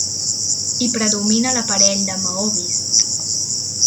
Hi predomina l'aparell de maó vist.